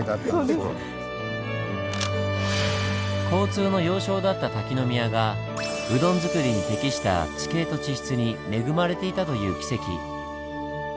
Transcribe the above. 交通の要衝だった滝宮がうどん作りに適した地形と地質に恵まれていたという奇跡。